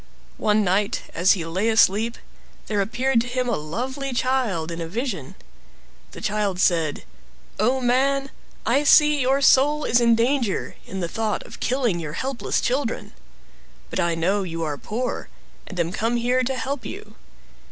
One night, as he lay asleep, there appeared to him a lovely child in a vision. The child said— "Oh, man! I see your soul is in danger, in the thought of killing your helpless children. But I know you are poor, and am come here to help you.